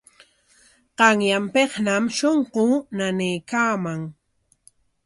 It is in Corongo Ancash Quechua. Qanyanpikñam shunquu nanaykaaman.